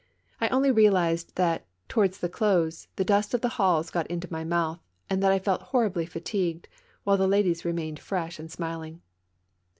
I only realized that, towards the close, the dust of the halls got into my mouth and that I felt horribly fatigued, while the ladies remained fresh and smiling.